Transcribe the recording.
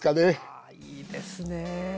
あいいですね！